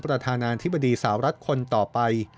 ประธานาธิบดีสาวรัฐคนต่อไป